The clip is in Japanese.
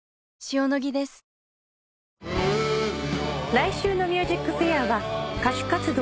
来週の『ＭＵＳＩＣＦＡＩＲ』は歌手活動